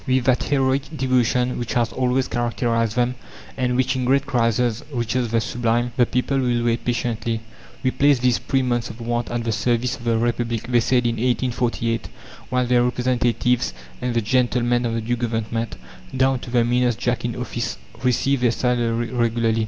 With that heroic devotion which has always characterized them, and which in great crises reaches the sublime, the people will wait patiently. "We place these three months of want at the service of the Republic," they said in 1848, while "their representatives" and the gentlemen of the new Government, down to the meanest Jack in office received their salary regularly.